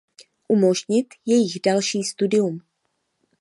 Umožnit jejich další studium.